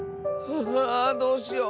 ああどうしよう。